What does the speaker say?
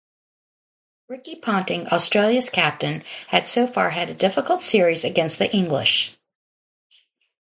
Ricky Ponting, Australia's captain, had so far had a difficult series against the English.